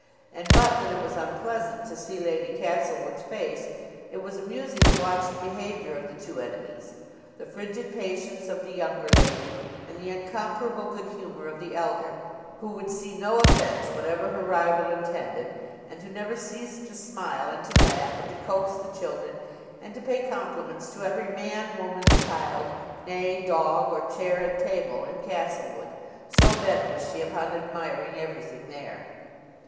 And, but that it was unpleasant to see Lady Castlewood's face, it was amusing to watch the behavior of the two enemies: the frigid patience of the younger lady, and the unconquerable good humor of the elder who would see no offence whatever her rival intended, and who never ceased to smile and to laugh, and to coax the children, and to pay compliments to every man, woman, child, nay dog, or chair and table, in Castlewood, so bent was she upon admiring everything there.